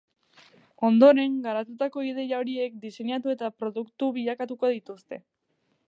Ondoren, garatutako ideia horiek diseinatu eta produktu bilakatuko dituzte.